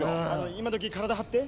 今どき体張って？